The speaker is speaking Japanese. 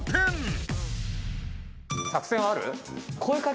作戦はある？